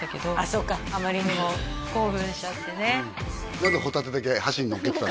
そっかあまりにも興奮しちゃってね